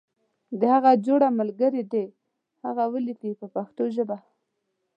د هغه جوړه ملګری دې هغه ولیکي په پښتو ژبه.